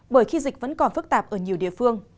bởi khi dịch vẫn còn phức tạp ở nhiều địa phương